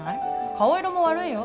顔色も悪いよ。